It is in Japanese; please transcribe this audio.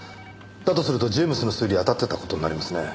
だとするとジェームズの推理当たってた事になりますね。